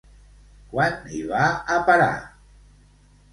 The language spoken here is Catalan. Quan hi va a parar?